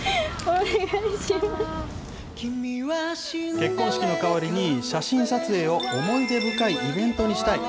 結婚式の代わりに、写真撮影を思い出深いイベントにしたい。